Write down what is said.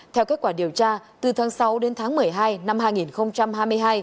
theo kết quả điều tra từ tháng sáu đến tháng một mươi hai năm hai nghìn hai mươi hai